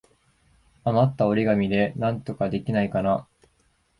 あまった折り紙でなんかできないかな。